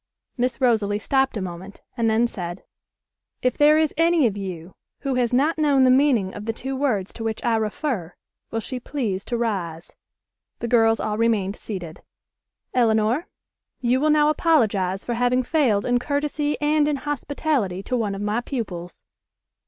Miss Rosalie stopped a moment, and then said: "If there is anyone of you who has not known the meaning of the two words to which I refer, will she please to rise." The girls all remained seated. "Elinor, you will now apologize for having failed in courtesy and in hospitality to one of my pupils."